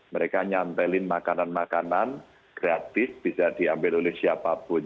mereka nyantelin makanan makanan gratis bisa diambil oleh siapapun